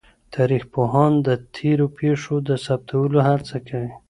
تاريخ پوهان د تېرو پېښو د ثبتولو هڅه کوي.